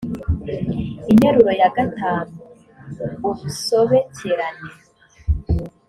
interuro ya gatanu ubusobekerane